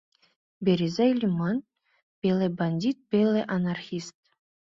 Березай лӱман — пеле бандит, пеле анархист.